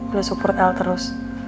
udah support el terus